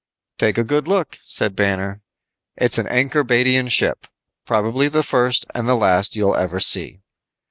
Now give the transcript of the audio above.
"Take a good look," said Banner, "it's an Ankorbadian ship. Probably the first and last you'll ever see."